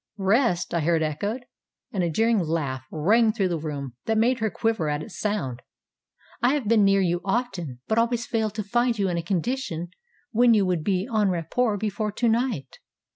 ŌĆØ Rest! I heard echoed, and a jeering laugh rang through the room that made her quiver at its sound. ŌĆ£I have been near you often; but always failed to find you in a condition when you would be en rapport before to night.